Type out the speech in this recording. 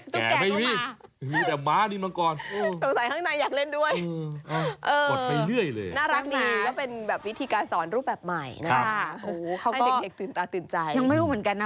คุณครูคะแสดงตัวด้วยค่ะ